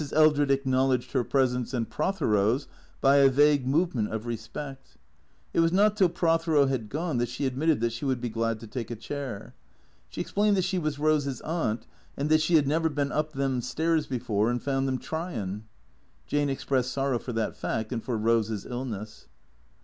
Eldred acknowledged her presence and Prothero's by a vague movement of respect. It was not till Prothero had gone that she admitted that she would be glad to take a chair. She explained that she was Eose's aunt, and that she had never been up them stairs before and found them tryin'. Jane expressed sorrow for that fact and for Eose's illness.